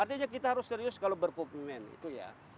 artinya kita harus serius kalau berkomitmen itu ya